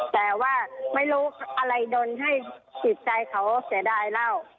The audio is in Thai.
แต่ว่าไม่รู้อะไรโดนให้จิตใจเขาเสียดายเล่า